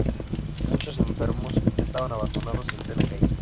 Muchos enfermos estaban abandonados en plena calle.